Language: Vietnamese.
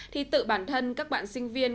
thì tự bản thân các bạn sinh viên